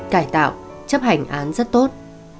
cải tạo chấp hành án rất tốt